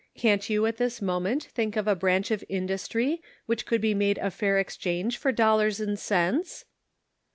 Can't you at this moment think of a branch of in dustry which could be made a fair exchange for dollars and cents